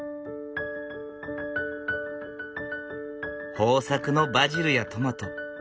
豊作のバジルやトマト。